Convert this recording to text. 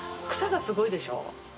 陲すごいでしょ？